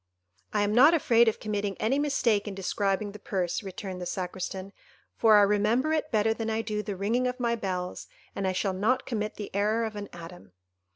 "I am not afraid of committing any mistake in describing the purse," returned the Sacristan, "for I remember it better than I do the ringing of my bells, and I shall not commit the error of an atom."